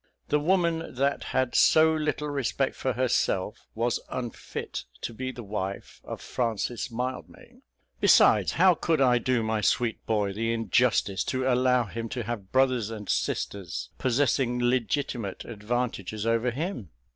The woman that had so little respect for herself, was unfit to be the wife of Francis Mildmay. "Besides, how could I do my sweet boy the injustice to allow him to have brothers and sisters possessing legitimate advantages over him?